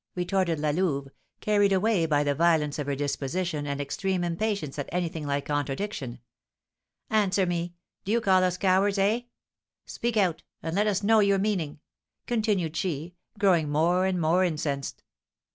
retorted La Louve, carried away by the violence of her disposition and extreme impatience at anything like contradiction. "Answer me, do you call us cowards, eh? Speak out, and let us know your meaning," continued she, growing more and more incensed.